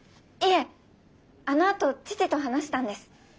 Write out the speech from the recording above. いえあのあと父と話したんです。